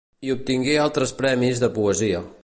I obtingué altres premis de poesia.